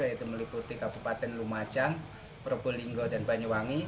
yaitu meliputi kabupaten lumacang purwolinggo dan banyuwangi